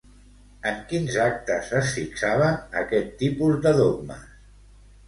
En quins actes es fixaven aquest tipus de dogmes?